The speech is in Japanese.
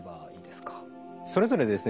それぞれですね